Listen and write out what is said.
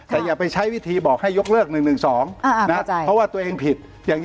แต่อย่าไปใช้วิธีบอกให้ยกเลิก๑๑๒นะเพราะว่าตัวเองผิดอย่าง